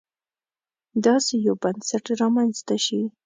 داسې یو بنسټ رامنځته شي.